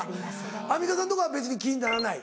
アンミカさんのとこは別に気にならない？